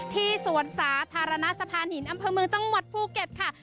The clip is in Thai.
สวนสาธารณะสะพานหินอำเภอเมืองจังหวัดภูเก็ตค่ะ